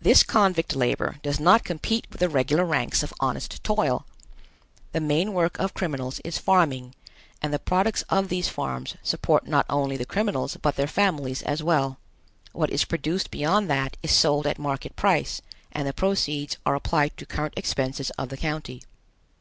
This convict labor does not compete with the regular ranks of honest toil. The main work of criminals is farming, and the products of these farms support not only the criminals, but their families as well. What is produced beyond that is sold at market price and the proceeds are applied to current expenses of the county.